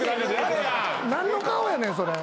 何の顔やねんそれ。